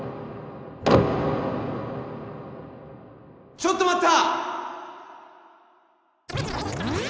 ちょっと待った！